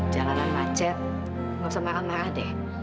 jalanan macet gak usah marah marah deh